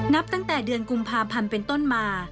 นับตั้งแต่เดือนกุมภาพันธ์เป็นต้นมา